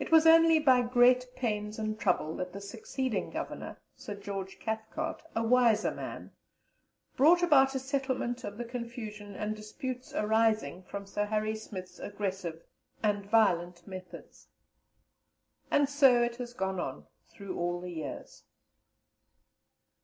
It was only by great pains and trouble that the succeeding Governor, Sir George Cathcart, a wiser man, brought about a settlement of the confusion and disputes arising from Sir Harry Smith's aggressive and violent methods. And so it has gone on, through all the years.